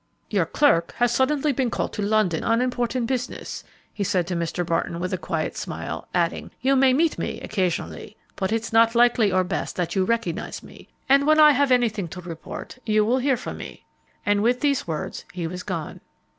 "Your 'clerk' has been suddenly called to London on important business," he said to Mr. Barton, with a quiet smile, adding, "You may meet me occasionally, but it's not likely or best that you recognize me, and when I have anything to report you will hear from me," and with these words he was gone.